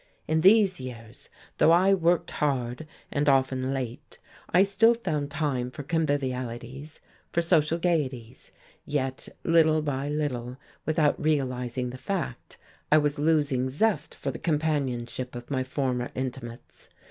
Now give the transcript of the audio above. In these years, though I worked hard and often late, I still found time for convivialities, for social gaieties, yet little by little without realizing the fact, I was losing zest for the companionship of my former intimates.